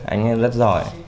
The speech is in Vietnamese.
anh ấy rất giỏi